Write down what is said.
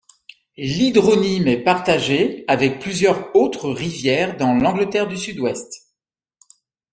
L'hydronyme est partagée avec plusieurs autres rivières dans l'Angleterre du Sud-Ouest.